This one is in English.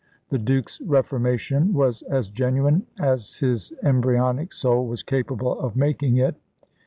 The Duke's reformation was as genuine as his embryonic soul was capable of making it.